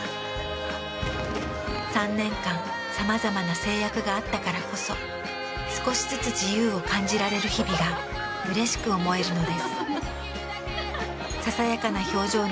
３年間さまざまな制約があったからこそ少しずつ自由を感じられる日々がうれしく思えるのです。